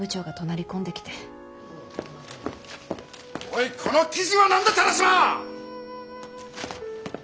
おいこの記事は何だ田良島！